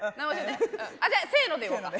じゃあせので言おうか。